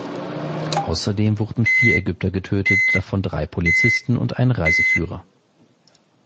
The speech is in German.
Außerdem wurden vier Ägypter getötet, davon drei Polizisten und ein Reiseführer.